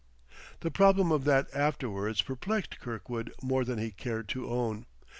The problem of that afterwards perplexed Kirkwood more than he cared to own.